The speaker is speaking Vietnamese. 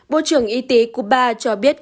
bộ trưởng y tế cuba cho biết